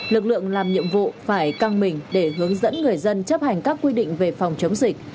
lực lượng làm nhiệm vụ phải căng mình để hướng dẫn người dân chấp hành các quy định về phòng chống dịch